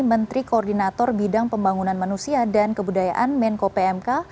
menteri koordinator bidang pembangunan manusia dan kebudayaan menko pmk